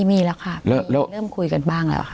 ไม่มีแล้วค่ะเริ่มคุยกันบ้างแล้วค่ะ